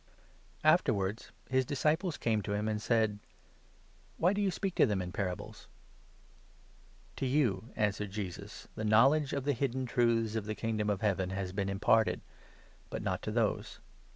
Afterwards his disciples came to him, and said : 10 " Wny do you speak to them in parables ?"" To you," answered Jesus, "the knowledge of the hidden n truths of the Kingdom of Heaven has been imparted, but not to those.